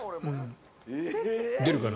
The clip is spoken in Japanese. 出るかな？